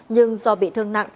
nhưng do bị thương nặng